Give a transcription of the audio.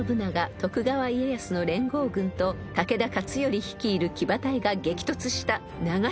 徳川家康の連合軍と武田勝頼率いる騎馬隊が激突した］